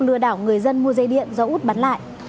lừa đảo người dân mua dây điện do út bán lại